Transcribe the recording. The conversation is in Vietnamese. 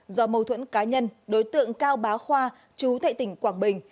do mâu thuẫn cá nhân đối tượng cao bá khoa chú thệ tỉnh quảng bình